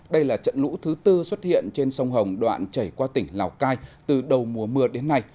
đây là trận lũ thứ tư xuất hiện trên sông hồng đoạn chảy qua tỉnh lào cai từ đầu mùa mưa đến nay